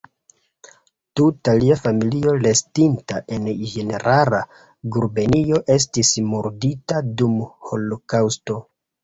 Tuta lia familio restinta en Ĝenerala Gubernio estis murdita dum holokaŭsto.